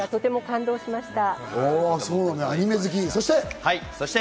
とても感動しました。